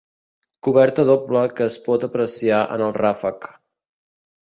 Coberta doble que es pot apreciar en el ràfec.